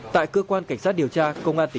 tại cơ quan cảnh sát điều tra công an phát triển